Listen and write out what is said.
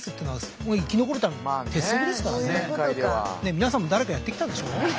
皆さんも誰かやってきたでしょう？